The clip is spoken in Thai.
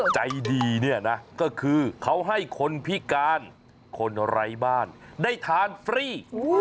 ใจดีเนี่ยนะก็คือเขาให้คนพิการคนไร้บ้านได้ทานฟรี